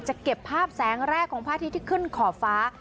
เก็บภาพแสงแรกของพระอาทิตย์ที่ขึ้นขอบฟ้า